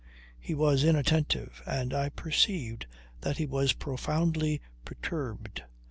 He was inattentive, and I perceived that he was profoundly perturbed.